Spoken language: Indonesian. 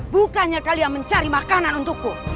bukannya kalian mencari makanan untukku